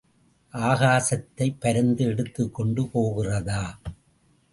ஆகாசத்தைப் பருந்து எடுத்துக் கொண்டு போகிறதா?